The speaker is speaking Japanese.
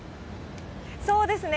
そうですね。